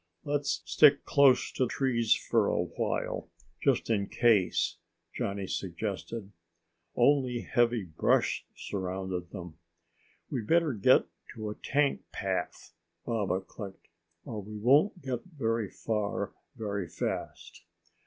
"Let's stick close to trees for a while just in case," Johnny suggested. Only heavy brush surrounded them. "We'd better get to a tank path," Baba clicked, "or we won't get very far very fast."